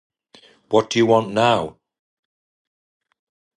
What do you want now?